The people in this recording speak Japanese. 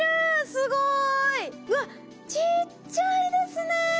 すごい。うわちっちゃいですね。